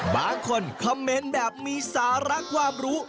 บางคนคอมเมนต์แบบมีสาระความรู้